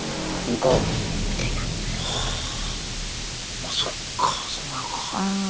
まそっかそうなるか。